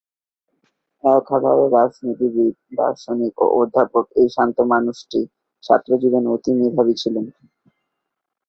একাধারে রাজনীতিবিদ, দার্শনিক ও অধ্যাপক এই শান্ত মানুষটি ছাত্রজীবনে অতি মেধাবী ছিলেন।